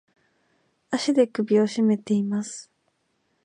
足で首をしめています。